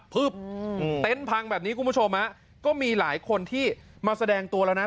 เต็นต์พังแบบนี้คุณผู้ชมฮะก็มีหลายคนที่มาแสดงตัวแล้วนะ